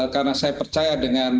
karena saya percaya dengan